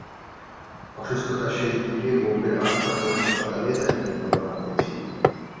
অসুস্থতার শেষ দিকে বোম্বের আর্থার রোড হাসপাতালে তাকে প্রেরণ করা হয়েছিল।